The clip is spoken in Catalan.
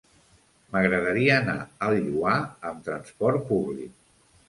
M'agradaria anar al Lloar amb trasport públic.